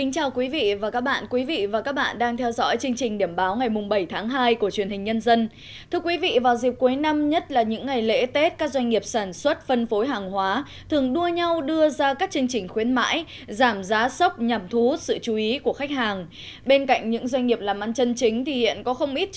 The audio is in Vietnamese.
chào mừng quý vị đến với bộ phim hãy nhớ like share và đăng ký kênh của chúng mình nhé